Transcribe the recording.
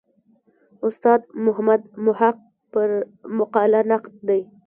استاد محمد محق پر مقاله نقد دی.